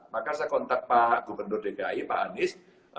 maka saya kontak pak gubernur dki pak anies